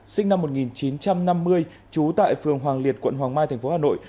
sinh năm một nghìn chín trăm năm mươi trú tại phường hoàng liệt quận hoàng mai tp hà nội